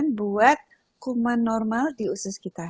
yang membuat kuman normal di usus kita